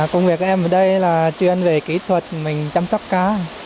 công việc em ở đây là chuyên về kỹ thuật mình chăm sóc cá